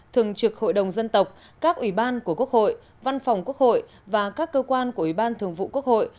thường trực hội đồng dân tộc các ủy ban của quốc hội văn phòng quốc hội và các cơ quan của ủy ban thường vụ quốc hội